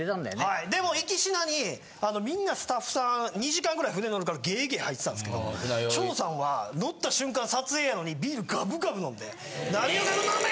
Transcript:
はいでも行きしなにみんなスタッフさん２時間ぐらい船乗るからゲーゲー吐いてたんですけど翔さんは乗った瞬間撮影やのにビールがぶがぶ飲んでなに酔うてる飲め！